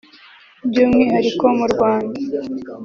By’umwihariko mu Rwanda